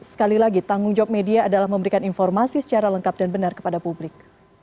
sekali lagi tanggung jawab media adalah memberikan informasi secara lengkap dan benar kepada publik